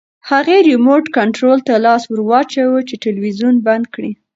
هغې ریموټ کنټرول ته لاس ورواچاوه چې تلویزیون بند کړي.